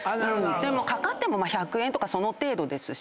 かかっても１００円とかその程度ですし。